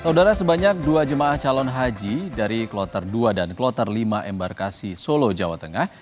saudara sebanyak dua jemaah calon haji dari kloter dua dan kloter lima embarkasi solo jawa tengah